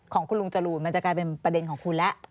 ของคุณลุงจรูนมันจะกลายเป็นประเด็นของคุณแล้ว